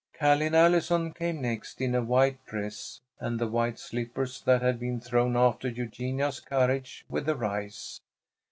Ca'line Allison came next, in a white dress and the white slippers that had been thrown after Eugenia's carriage with the rice.